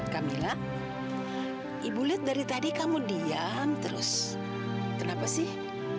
camilla ibu lihat dari tadi kamu diam terus kenapa sih